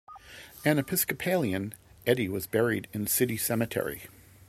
An Episcopalian, Eddy was buried in City Cemetery.